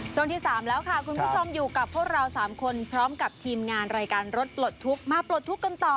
ช่วงที่๓แล้วค่ะคุณผู้ชมอยู่กับพวกเรา๓คนพร้อมกับทีมงานรายการรถปลดทุกข์มาปลดทุกข์กันต่อ